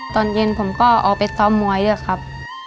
ตอนเย็นผมก็ออกไปซ้อมมวยด้วยครับ